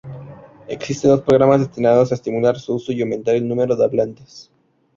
Existe dos programas destinados a estimular su uso y aumentar el número de hablantes.